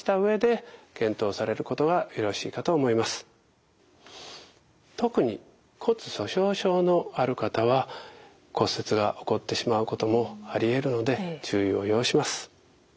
何分外力を加えてやるわけですから特に骨粗しょう症のある方は骨折が起こってしまうこともありえるので注意を要します。